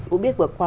cũng biết vừa qua